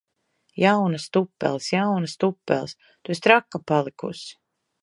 Jaunas tupeles! Jaunas tupeles! Tu esi traka palikusi!